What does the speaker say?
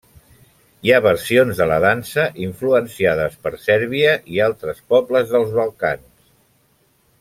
Hi ha versions de la dansa influenciades per Sèrbia i altres pobles dels Balcans.